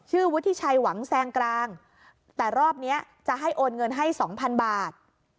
วุฒิชัยหวังแซงกลางแต่รอบนี้จะให้โอนเงินให้สองพันบาท